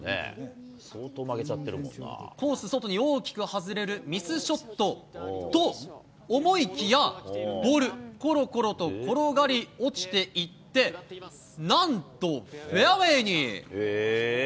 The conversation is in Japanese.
コース外に大きく外れるミスショットと思いきや、ボール、ころころと転がり落ちていって、なんと、フェアウエーに。